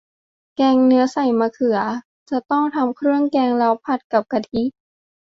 แกงเนื้อใส่มะเขือ จะต้องทำเครื่องแกงแล้วผัดกับกะทิ